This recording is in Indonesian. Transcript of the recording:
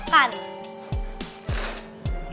itu kan cewek yang kemarin